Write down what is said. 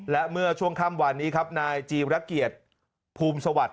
และเมื่อช่วงค่ำวันนี้ครับนายจีระเกียรติภูมิสวัสดิ